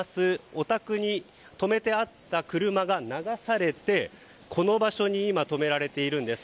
お宅に止めてあった車が流されて、この場所に今止められているんです。